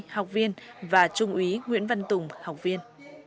học viên và trung úy nguyễn văn tùng học viên